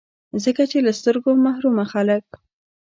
ځکه چي له سترګو محرومه خلګ